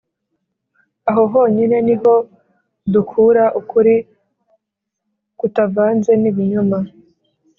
aho honyine ni ho dukura ukuri kutavanze n’ibinyoma